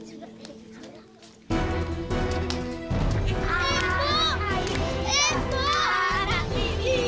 iya kak andre lepasin tangannya